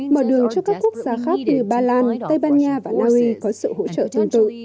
mở đường cho các quốc gia khác như ba lan tây ban nha và naui có sự hỗ trợ tương tự